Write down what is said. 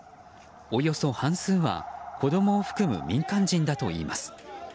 およそ半数は子供を含む民間人だといいます。